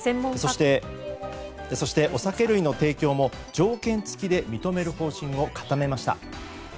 そして、お酒類の提供も条件付きで認める方針を固めました。